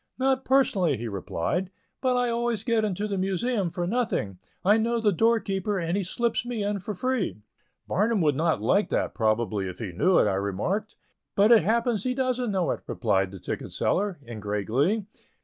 "Not personally," he replied; "but I always get into the Museum for nothing. I know the doorkeeper, and he slips me in free." "Barnum would not like that, probably, if he knew it," I remarked. "But it happens he don't know it," replied the ticket seller, in great glee.